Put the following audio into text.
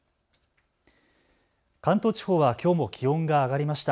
関東地方はきょうも気温が上がりました。